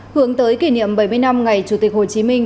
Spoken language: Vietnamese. hướng tới kỷ niệm bảy mươi năm ngày chủ tịch hồ chí minh